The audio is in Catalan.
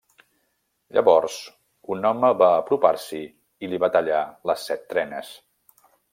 Llavors, un home va apropar-s'hi i li va tallar les set trenes.